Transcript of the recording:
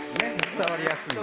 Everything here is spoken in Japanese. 伝わりやすい。